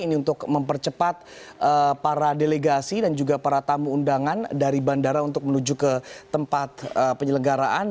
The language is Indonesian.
ini untuk mempercepat para delegasi dan juga para tamu undangan dari bandara untuk menuju ke tempat penyelenggaraan